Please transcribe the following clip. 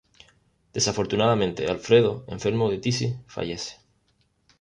Desafortunadamente Alfredo, enfermo de tisis, fallece.